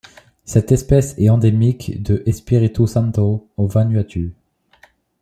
Cette espèce est endémique de Espiritu Santo au Vanuatu.